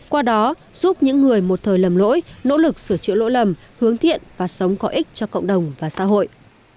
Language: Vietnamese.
qua đó giúp những người một thời lầm lỗi nỗ lực sửa chữa lỗi lầm hướng thiện và sống có ích cho cộng đồng và xã hội